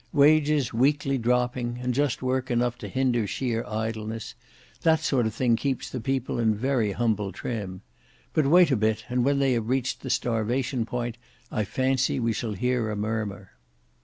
Wages weekly dropping, and just work enough to hinder sheer idleness; that sort of thing keeps the people in very humble trim. But wait a bit, and when they have reached the starvation point I fancy we shall hear a murmur."